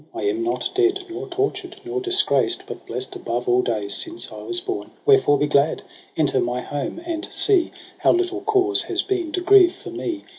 I am not dead, nor tortured, nor disgraced. But blest above all days since I was born : Wherefore be glad. Enter my home and see How little cause has been to grieve for me.